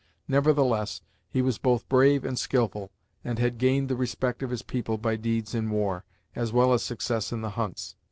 Nevertheless, he was both brave and skilful, and had gained the respect of his people by deeds in war, as well as success in the hunts.